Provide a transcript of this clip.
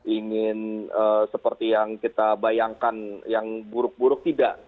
ingin seperti yang kita bayangkan yang buruk buruk tidak